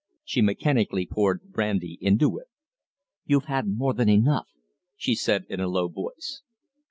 She mechanically poured brandy into it. "You've had more than enough," she said, in a low voice.